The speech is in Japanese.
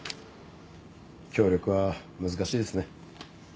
協力は難しいですね。